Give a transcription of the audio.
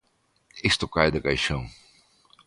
Isto cae de caixón.